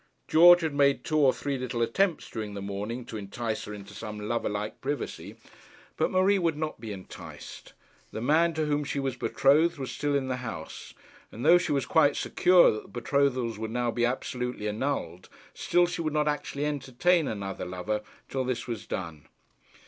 George had made two or three little attempts during the morning to entice her into some lover like privacy. But Marie would not be enticed. The man to whom she was betrothed was still in the house; and, though she was quite secure that the betrothals would now be absolutely annulled, still she would not actually entertain another lover till this was done.